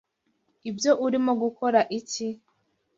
Ibyo urimo gukora iki?